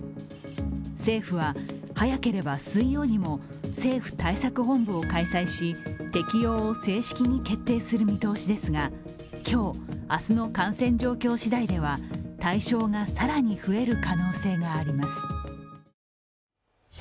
政府は、早ければ水曜にも政府対策本部を開催し、適用を正式に決定する見通しですが、今日、明日の感染状況しだいでは対象が更に増える可能性があります。